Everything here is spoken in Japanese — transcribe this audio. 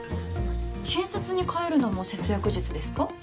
新札にかえるのも節約術ですか？